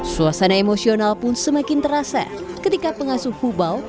suasana emosional pun semakin terasa ketika pengasuh hubal